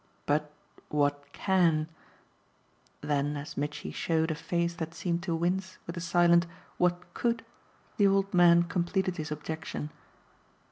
"But what CAN ?" Then as Mitchy showed a face that seemed to wince with a silent "What COULD?" the old man completed his objection.